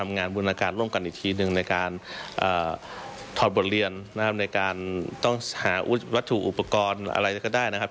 ในการถอดบทเรียนในการต้องหาวัตถุอุปกรณ์อะไรก็ได้นะครับ